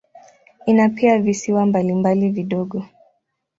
Ina pia visiwa mbalimbali vidogo.